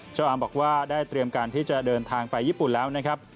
อาร์มบอกว่าได้เตรียมการที่จะเดินทางไปญี่ปุ่นแล้วนะครับ